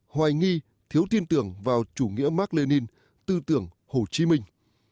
hoài nghi thiếu tin tưởng vào chủ nghĩa mark lenin tư tưởng hồ chí minh